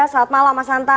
selamat malam mas hanta